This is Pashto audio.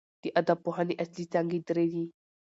د ادبپوهني اصلي څانګي درې دي.